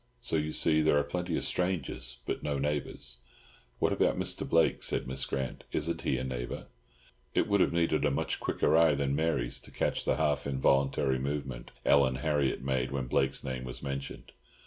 So you see, there are plenty of strangers, but no neighbours." "What about Mr. Blake?" said Miss Grant. "Isn't he a neighbour?" It would have needed a much quicker eye than Mary's to catch the half involuntary movement Ellen Harriott made when Blake's name was mentioned.